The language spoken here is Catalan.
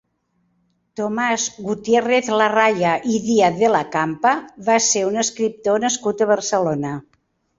Tomás Gutiérrez-Larraya i Díaz de la Campa va ser un escriptor nascut a Barcelona.